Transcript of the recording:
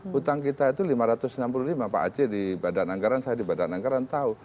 hutang kita itu lima ratus enam puluh lima pak aceh di badan anggaran saya di badan anggaran tahu